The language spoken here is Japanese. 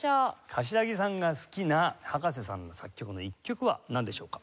柏木さんが好きな葉加瀬さんの作曲の一曲はなんでしょうか？